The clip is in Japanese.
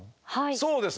そうですね。